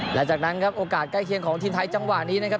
หลังจากนั้นครับโอกาสใกล้เคียงของทีมไทยจังหวะนี้นะครับ